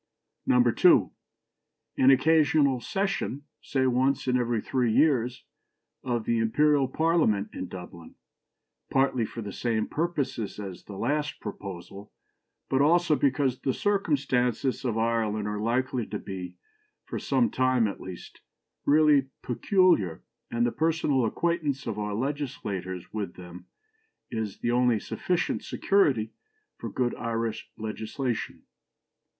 "2. An occasional session (say once in every three years) of the Imperial Parliament in Dublin, partly for the same purposes as the last proposal, but also because the circumstances of Ireland are likely to be, for some time at least, really peculiar, and the personal acquaintance of our legislators with them is the only sufficient security for good Irish legislation.